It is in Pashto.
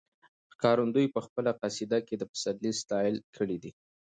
ښکارندوی په خپله قصیده کې د پسرلي ستایل کړي دي.